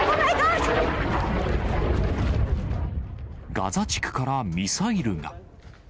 ガザ地区からミサイルが。